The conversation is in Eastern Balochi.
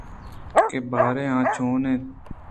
کہ باریں آ چون اِنت